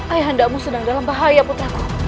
ayah andamu sedang dalam bahaya putraku